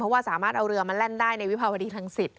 เพราะว่าสามารถเอาเรือมาแล่นได้ในวิภาวดีทางศิษย์